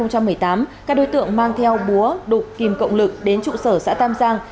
các đối tượng mang theo búa đục kìm cộng lực đến trụ sở xã tam giang